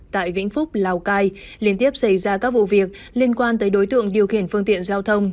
tại vĩnh phúc lào cai liên tiếp xảy ra các vụ việc liên quan tới đối tượng điều khiển phương tiện giao thông